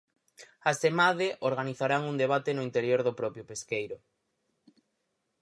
Asemade, organizarán un debate no interior do propio pesqueiro.